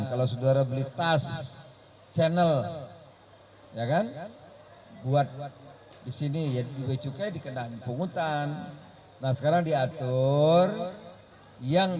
kalau saudara beli tas channel ya kan buat buat di sini ya cukai dikenain pungutan nah sekarang diatur yang